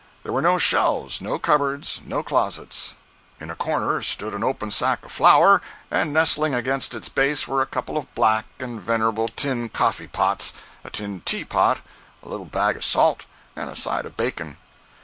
There were no shelves, no cupboards, no closets. In a corner stood an open sack of flour, and nestling against its base were a couple of black and venerable tin coffee pots, a tin teapot, a little bag of salt, and a side of bacon.